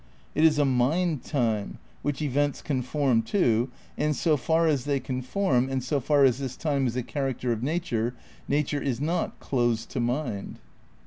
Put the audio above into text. It is a mind time which events conform to, and so far as they conform, and so far as this time is a "character of nature," nature is not "closed to mind."